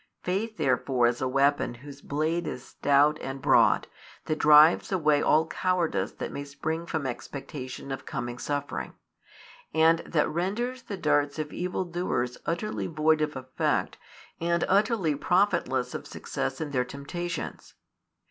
Faith therefore is a weapon whose blade is stout and broad, that drives away all cowardice that may spring from expectation of coming suffering, and that renders the darts of evil doers utterly void of effect and utterly profitless of success in their temptations.